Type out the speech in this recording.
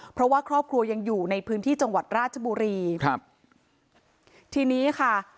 เพราะว่าครอบครัวยังอยู่ในพื้นที่จังหวัดราชบุรีครับทีนี้ค่ะ